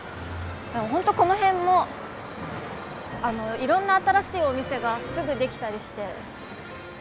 本当この辺もいろんな新しいお店がすぐ出来たりして。